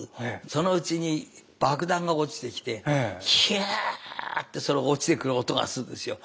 そのうちに爆弾が落ちてきてひゅってその落ちてくる音がするんですよ。